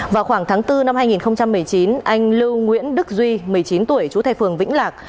vào khoảng tháng bốn năm hai nghìn một mươi chín anh lưu nguyễn đức duy một mươi chín tuổi chú thệ phường vĩnh lạc